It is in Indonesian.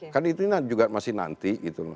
kan itu juga masih nanti gitu